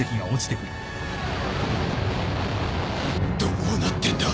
どうなってんだ！？